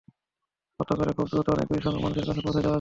এতে করে খুব দ্রুত অনেক বেশি সংখ্যক মানুষের কাছে পৌঁছে যাওয়া যায়।